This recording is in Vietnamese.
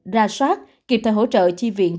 ra soát kịp thời hỗ trợ chi viện